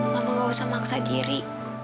mama gak usah mangsa diri